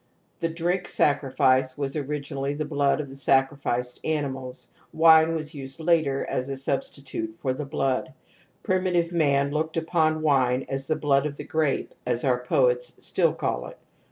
The drink sacrifice was originally the blood of the sacrificed animals ; wine was used later as a substitute for the blood. Primitive man looked upon wine as the " blood of the grape ", as our poets still call it.